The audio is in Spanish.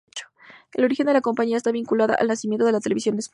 El origen de la compañía está vinculado al nacimiento de la televisión en España.